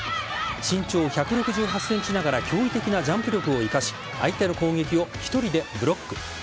身長１６８ｃｍながら驚異的なジャンプ力を生かし相手の攻撃を１人でブロック。